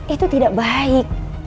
itu tidak baik